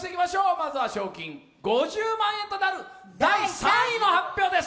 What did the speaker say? まずは賞金５０万円となる第３位の発表です！